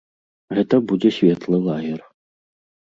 Гэта будзе светлы лагер.